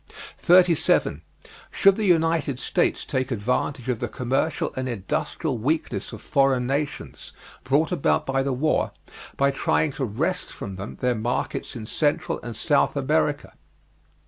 37. Should the United States take advantage of the commercial and industrial weakness of foreign nations, brought about by the war, by trying to wrest from them their markets in Central and South America?